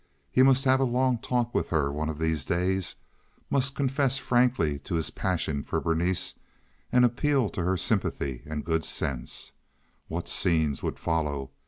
He must have a long talk with her one of these days, must confess frankly to his passion for Berenice, and appeal to her sympathy and good sense. What scenes would follow!